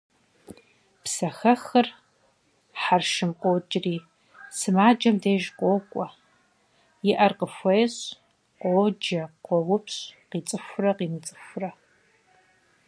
Псэхэхыр, Хьэршым къокӀри, сымаджэм деж къокӀуэ, и Ӏэр къыхуещӀ, къоджэ, къоупщӀ къицӀыхурэ къимыцӀыхурэ.